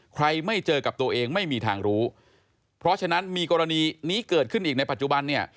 ไม่เจอกับตัวเองไม่มีทางรู้เพราะฉะนั้นมีกรณีนี้เกิดขึ้นอีกในปัจจุบันเนี่ย